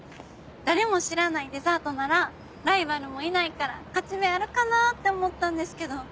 誰も知らないデザートならライバルもいないから勝ち目あるかなって思ったんですけど。